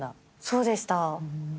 そうでした。